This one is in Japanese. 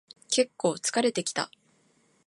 けっこう疲れてきた